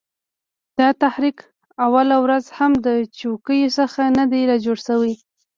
دا تحریک اوله ورځ هم د چوکیو څخه نه دی را جوړ سوی